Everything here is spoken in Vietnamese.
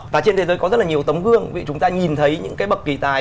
và trên thế giới có rất là nhiều tấm gương vì chúng ta nhìn thấy những cái bậc kỳ tài